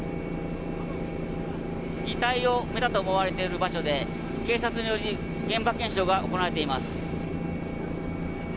遺体を埋めたと思われている場所で警察により現場検証が行われています。